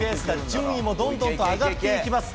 順位もどんどんと上がっていきます。